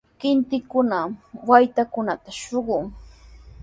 Kintikunami waytakunata shuqun.